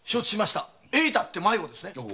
栄太って迷子ですね？